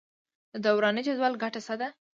د دوراني جدول ګټه څه ده.